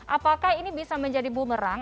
apakah ini bisa menjadi bumerang